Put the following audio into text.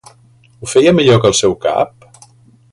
Ho feia millor que el seu cap?